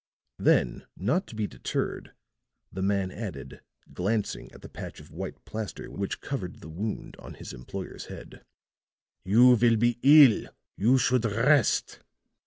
Then, not to be deterred, the man added, glancing at the patch of white plaster which covered the wound on his employer's head: "You will be ill you should rest."